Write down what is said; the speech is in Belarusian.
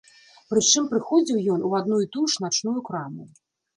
Прычым прыходзіў ён у адну і тую ж начную краму.